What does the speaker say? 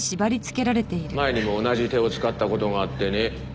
前にも同じ手を使った事があってね。